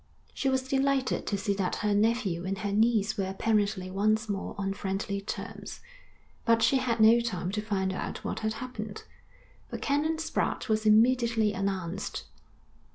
She was delighted to see that her nephew and her niece were apparently once more on friendly terms; but she had no time to find out what had happened, for Canon Spratte was immediately announced.